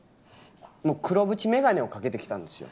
もう黒縁眼鏡をかけてきたんですよ。